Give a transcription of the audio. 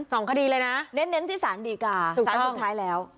สองคดีเลยนะเน้นที่ศาลดีการ์ศาลสุดท้ายแล้ว